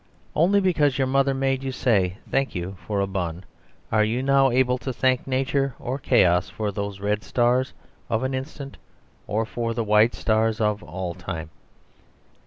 Only because your mother made you say 'Thank you' for a bun are you now able to thank Nature or chaos for those red stars of an instant or for the white stars of all time.